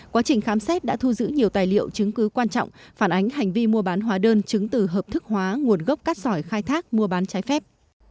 quá trình khám xét đã thu giữ nhiều tài liệu chứng cứ quan trọng phản ánh hành vi mua bán hóa đơn chứng từ hợp thức hóa nguồn gốc cát sỏi khai thác mua bán trái phép